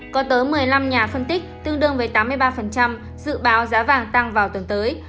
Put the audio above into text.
có tới một mươi năm nhà phân tích tương đương với tám mươi ba dự báo giá vàng tăng vào tuần tới